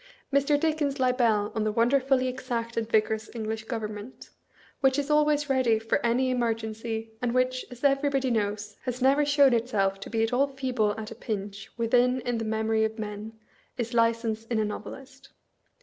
Mr. Dickens' libel on the wonderfully exact and vigorous English government, which is always ready for any emer gency, and which, as everybody knows, has never shown itself to be at all feeble at a pinch within in the memory of men, is License in a novelist.